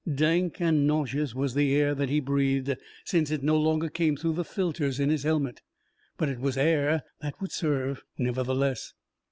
Dank and nauseous was the air that he breathed, since it no longer came through the filters in his helmet. But it was air that would serve, nevertheless.